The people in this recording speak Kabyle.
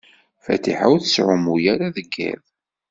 Fatiḥa ur tettɛumu ara deg yiḍ.